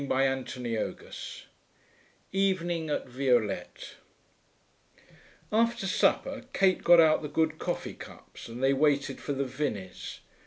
CHAPTER VI EVENING AT VIOLETTE 1 After supper Kate got out the good coffee cups, and they waited for the Vinneys.